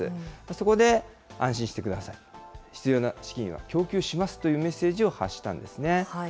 そこで、安心してください、必要な資金は供給しますというメッセージを発したんですね。